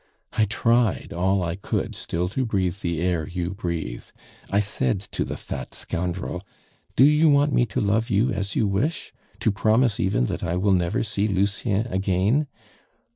I tried all I could still to breathe the air you breathe. I said to the fat scoundrel, 'Do you want me to love you as you wish? To promise even that I will never see Lucien again?